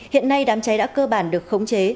hiện nay đám cháy đã cơ bản được khống chế